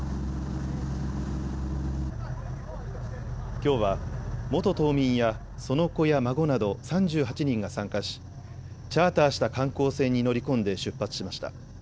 きょうは元島民やその子や孫など３８人が参加しチャーターした観光船に乗り込んで出発しました。